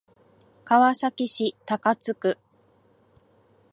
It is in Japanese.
川崎市高津区